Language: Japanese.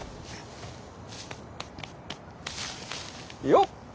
よっ！